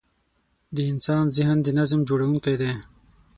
د انسان ذهن د نظم جوړوونکی دی.